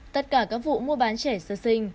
tất cả các vụ mua bán trẻ sơ sinh